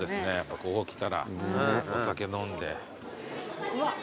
ここ来たらお酒飲んで。